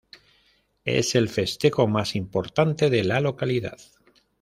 Es el festejo más importante de la localidad.